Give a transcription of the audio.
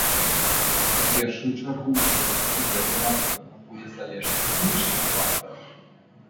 У першую чаргу ўсё-такі гэта, напэўна, будзе залежыць ад знешніх фактараў.